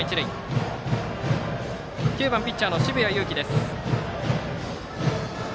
バッターは９番ピッチャーの澁谷優希です。